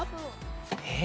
えっ？